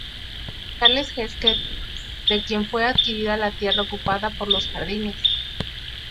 Charles Hesketh, de quien fue adquirida la tierra ocupada por los jardines.